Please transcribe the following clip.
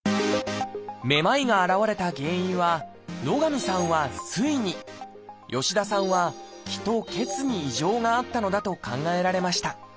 めまいが現れた原因は野上さんは「水」に吉田さんは「気」と「血」に異常があったのだと考えられました。